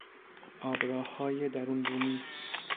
آبراههای درونبومی